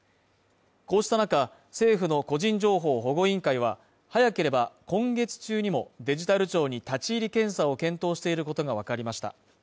こうした中、政府の個人情報保護委員会は、早ければ今月中にもデジタル庁に立ち入り検査を検討していることがわかりました。